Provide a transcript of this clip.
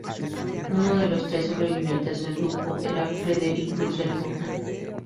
Uno de los tres sobrevivientes del grupo era Frederick Russell Burnham.